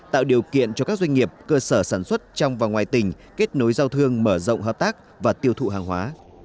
tạo điều kiện cho các doanh nghiệp cơ sở sản xuất trong và ngoài tỉnh kết nối giao thương mở rộng hợp tác và tiêu thụ hàng hóa